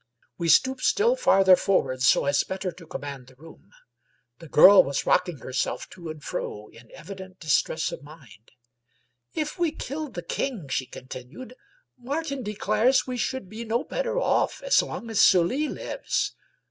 We stooped still farther for ward so as better to command the room. The girl was rocking herself to and fro in evident distress of mind. "If we killed the King," she continued, " Martin declares we should be no better off, as long as Sully lives.